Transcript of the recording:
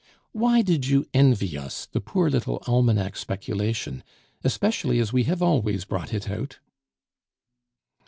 Why did you envy us the poor little almanac speculation, especially as we have always brought it out?"